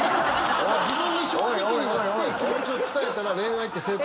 自分に正直になって気持ちを伝えたら恋愛って成功するんで。